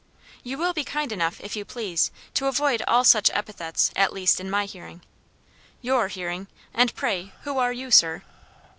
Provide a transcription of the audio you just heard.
"You will be kind enough, if you please, to avoid all such epithets; at least, in my hearing." "Your hearing! And pray who are you, sir?"